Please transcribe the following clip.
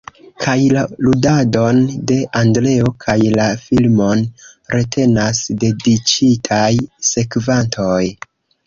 Kaj la ludadon de Andreo kaj la filmon retenas dediĉitaj sekvantoj.